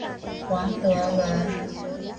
王德人。